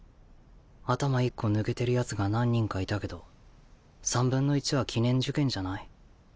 頭一個抜けてるヤツが何人かいたけど３分の１は記念受験じゃない？